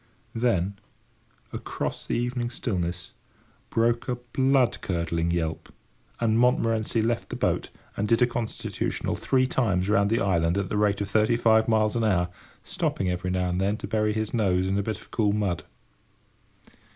Then, across the evening stillness, broke a blood curdling yelp, and Montmorency left the boat, and did a constitutional three times round the island at the rate of thirty five miles an hour, stopping every now and then to bury his nose in a bit of cool mud.